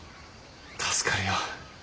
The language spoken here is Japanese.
助かるよ。